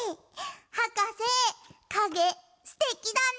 はかせかげすてきだね！